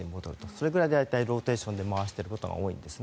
それぐらいのローテーションで回していることが多いです。